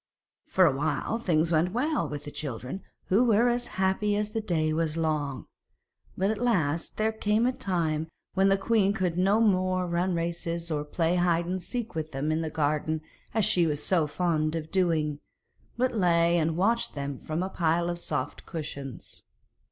For a while things went well with the children, who were as happy as the day was long, but at last there came a time when the queen could no more run races or play at hide and seek with them in the garden as she was so fond of doing, but lay and watched them from a pile of soft cushions.